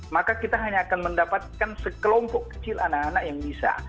maka kita hanya akan mendapatkan sekelompok kecil anak anak yang bisa